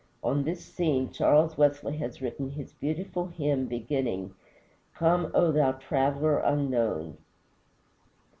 On this scene Charles Wesley has written his beautiful hymn beginning, "Come, O thou Traveler unknown."